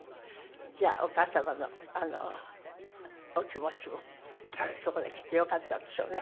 じゃあお母様のお気持ちもそこできっとよかったでしょうね